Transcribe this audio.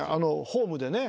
ホームでね。